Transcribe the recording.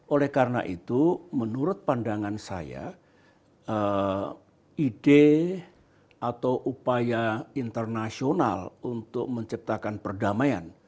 oleh karena itu menurut pandangan saya ide atau upaya internasional untuk menciptakan perdamaian